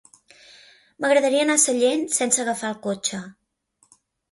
M'agradaria anar a Sallent sense agafar el cotxe.